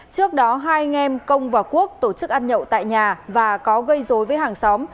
trước đó hai anh em công và quốc tổ chức ăn nhậu tại nhà và có gây dối với hàng xóm